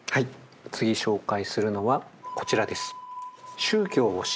次紹介するのはこちらです。